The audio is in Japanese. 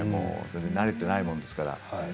慣れていないもんですから。